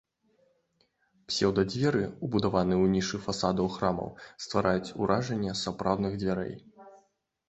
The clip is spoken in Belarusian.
Псеўда-дзверы, убудаваныя ў нішы на фасадах храмаў, ствараюць уражанне сапраўдных дзвярэй.